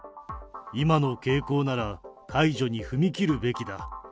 今の傾向なら、解除に踏み切るべきだ。